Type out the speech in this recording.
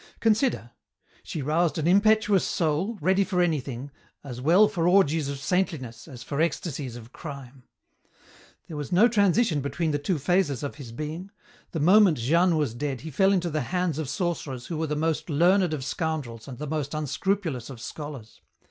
Consider. She roused an impetuous soul, ready for anything, as well for orgies of saintliness as for ecstasies of crime. "There was no transition between the two phases of his being. The moment Jeanne was dead he fell into the hands of sorcerers who were the most learned of scoundrels and the most unscrupulous of scholars.